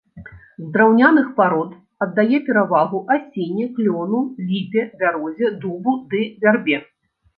З драўняных парод аддае перавагу асіне, клёну, ліпе, бярозе, дубу ды вярбе.